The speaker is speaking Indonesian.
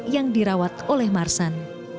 yang dirawat oleh marsan